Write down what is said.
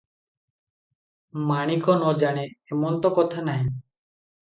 ମାଣିକ ନ ଜାଣେ, ଏମନ୍ତ କଥା ନାହିଁ ।